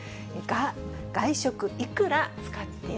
外食いくら使ってる？